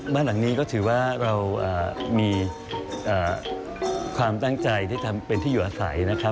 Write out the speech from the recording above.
บ้านหลังนี้ก็ถือว่าเรามีความตั้งใจที่ทำเป็นที่อยู่อาศัยนะครับ